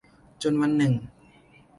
จนวันหนึ่ง